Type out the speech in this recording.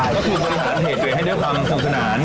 ก็คือบนฐานเผยตัวเองให้ด้วยความสงสนาน